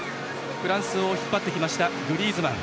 フランスを引っ張ってきましたグリーズマン。